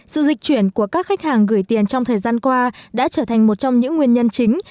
sự dịch chuyển của các khách hàng gửi tiền trong thời gian qua đã trở thành một trong những nguyên nhân chính